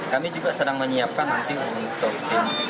kami juga sedang menyiapkan nanti untuk tim